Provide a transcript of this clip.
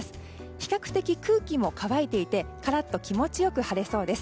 比較的空気も乾いていてカラッと気持ちよく晴れそうです。